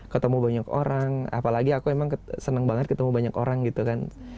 ketemu banyak orang apalagi aku emang seneng banget ketemu banyak orang gitu kan